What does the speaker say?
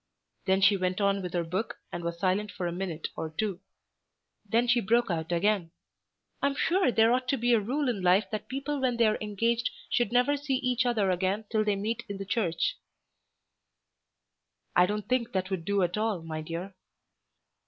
Then she went on with her book and was silent for a minute or two. Then she broke out again. "I am sure there ought to be a rule in life that people when they are engaged should never see each other again till they meet in the church." "I don't think that would do at all, my dear."